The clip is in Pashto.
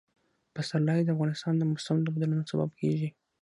پسرلی د افغانستان د موسم د بدلون سبب کېږي.